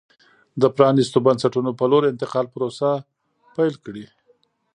د پرانېستو بنسټونو په لور انتقال پروسه پیل کړي.